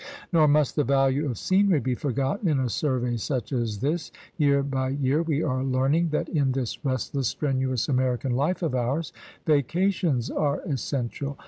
Nor must the value of scenery be forgotten in a survey such as this. Year by year we are learning that in this restless, strenuous American life of ours vacations are essential.